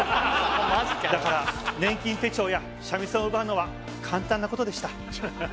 だから年金手帳や三味線を奪うのは簡単な事でした。